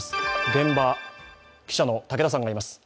現場、記者の竹田さんがいます。